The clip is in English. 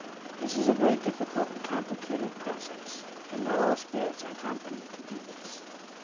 This is a very difficult and complicated process and not all spirits are competent to do this.